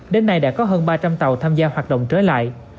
đến nay đã có hơn ba trăm linh tàu tham gia hoạt động trở lại